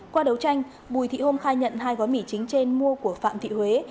qua đấu tranh bùi thị hôm khai nhận hai gói mì chính trên mua của phạm thị huế